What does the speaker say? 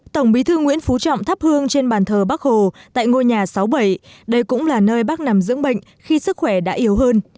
tổng bí thư nguyễn phú trọng thắp hương trên bàn thờ bắc hồ tại ngôi nhà sáu mươi bảy đây cũng là nơi bác nằm dưỡng bệnh khi sức khỏe đã yếu hơn